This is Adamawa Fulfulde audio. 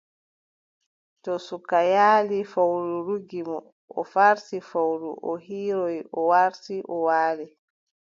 To suka yaali. Fowru ruggi mo. O farti fowru, o hiiroy, o warti, o waali.